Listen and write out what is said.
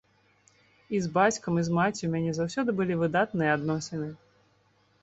І з бацькам, і з маці ў мяне заўсёды былі выдатныя адносіны.